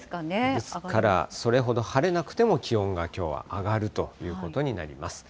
ですから、それほど晴れなくても気温がきょうは上がるということになります。